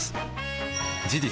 事実